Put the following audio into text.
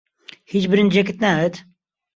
هیچ برنجێکت ناوێت؟